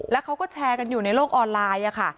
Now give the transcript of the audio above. แล้วเขาก็แชร์กันอยู่ในโลกออนไลน์ค่ะ